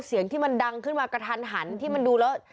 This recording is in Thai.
เสียงที่มันดังขึ้นมากระทันหันที่มันดูแล้ว